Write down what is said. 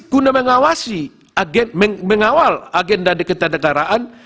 guna mengawasi agenda ketandekaraan